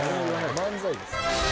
漫才です